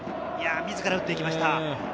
自ら打っていきました。